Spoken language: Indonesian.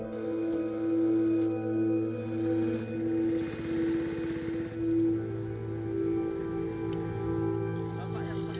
semoga dikasi tiga biji keras dan gini